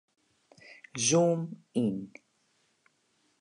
Zoom yn.